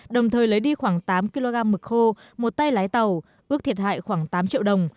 đồng thời lấy đi khoảng tám kg mực khô một tay lái tàu ước thiệt hại khoảng tám triệu đồng